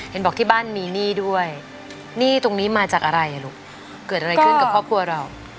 เห็นบอกที่บ้านมีหนี้ด้วยหนี้ตรงนี้มาจากอะไรลูกเกิดอะไรขึ้นกับครอบครัวเรา